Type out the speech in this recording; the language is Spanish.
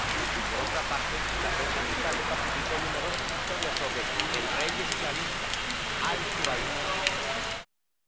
Por otra parte, la prensa británica publicó numerosas historias sobre "El rey esclavista" Al-Zubayr.